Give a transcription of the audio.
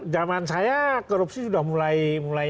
zaman saya korupsi sudah mulai